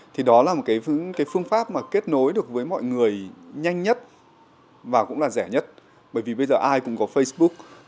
thì đó là một cái phương pháp mà kết nối được với mọi người nhanh nhất và cũng là rẻ nhất bởi vì bây giờ ai cũng có facebook